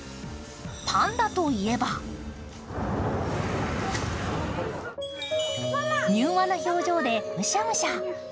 パンダといえば柔和な表情でむしゃむしゃ。